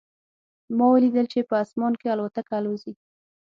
ما ولیدل چې په اسمان کې الوتکه الوزي